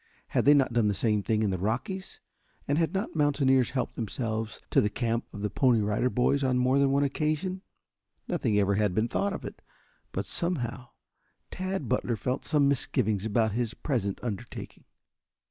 Had they not done the same thing in the Rockies, and had not mountaineers helped themselves to the camp of the Pony Rider Boys on more than one occasion? Nothing ever had been thought of it, but somehow Tad Butler felt some misgivings about his present undertaking.